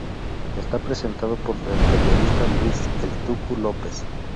Esta presentado por el periodista Luis "El Tucu" López.